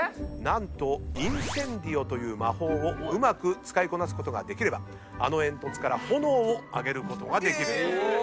「インセンディオ」という魔法をうまく使いこなすことができればあの煙突から炎を上げることができると。